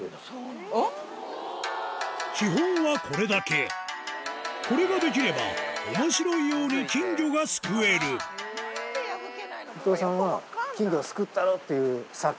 基本はこれだけこれができれば面白いように金魚がすくえる殺気。